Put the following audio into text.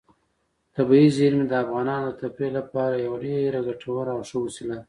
طبیعي زیرمې د افغانانو د تفریح لپاره یوه ډېره ګټوره او ښه وسیله ده.